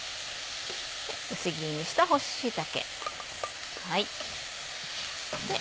薄切りにした干し椎茸。